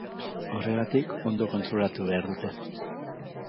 Horregatik, ondo kontrolatu behar dute.